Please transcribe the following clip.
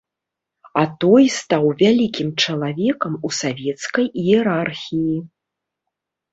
А той стаў вялікім чалавекам у савецкай іерархіі.